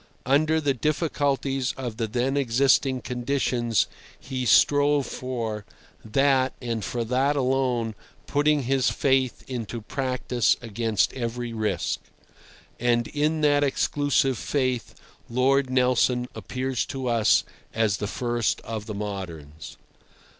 Under the difficulties of the then existing conditions he strove for that, and for that alone, putting his faith into practice against every risk. And in that exclusive faith Lord Nelson appears to us as the first of the moderns.